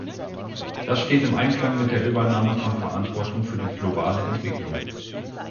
Das steht im Einklang mit der Übernahme von Verantwortung für die globale Entwicklung.